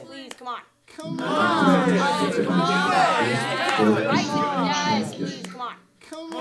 На лёд выйдуць оперныя спевакі, хор і сімфанічны аркестр.